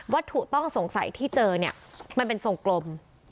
ถูกต้องสงสัยที่เจอเนี่ยมันเป็นทรงกลม